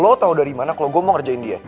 lo tau dari mana kalo gue mau ngerjain dia